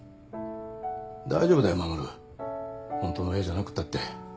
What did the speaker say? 大丈夫だよ護ホントの親じゃなくったって。